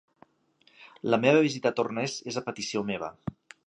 La meva visita a Torness és a petició meva.